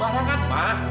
mama jangan kelewatan ma